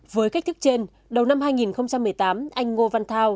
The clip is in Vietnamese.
với cách thức trên đầu năm hai nghìn một mươi tám anh ngô văn thao